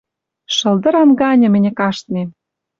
Шылдыран ганьы мӹньӹ каштнем!..»